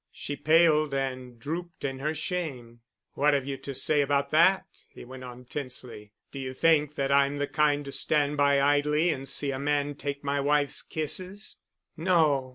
She paled and drooped in her shame. "What have you to say about that?" he went on tensely. "Do you think that I'm the kind to stand by idly and see a man take my wife's kisses?" "No.